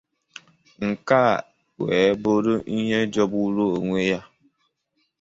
Nke a wee bụrụ ihe jọgburu onwe ya.